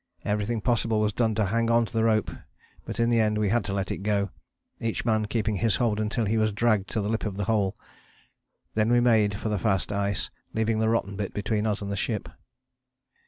Everything possible was done to hang on to the rope, but in the end we had to let it go, each man keeping his hold until he was dragged to the lip of the hole. Then we made for the fast ice, leaving the rotten bit between us and the ship.